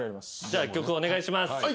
じゃあ曲お願いします。